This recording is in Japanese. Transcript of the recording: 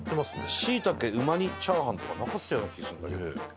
椎茸うま煮チャーハンとかなかったような気するんだけど。